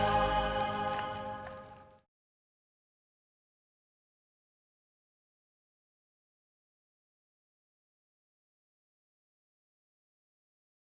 terima kasih bu